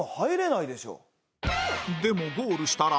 でもゴールしたら